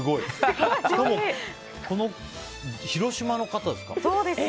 でも、広島の方ですか。